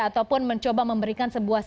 ataupun mencoba memberikan sebagainya